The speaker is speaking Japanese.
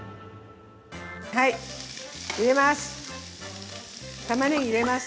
◆はい、入れます。